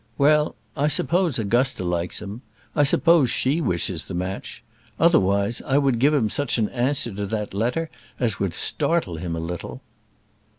Well: I suppose Augusta likes him. I suppose she wishes the match; otherwise, I would give him such an answer to that letter as would startle him a little."